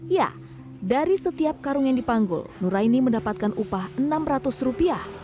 ya dari setiap karung yang dipanggul nuraini mendapatkan upah rp enam ratus